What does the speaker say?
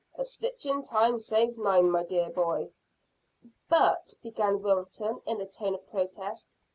A stitch in time saves nine, my dear boy." "But " began Wilton, in a tone of protest.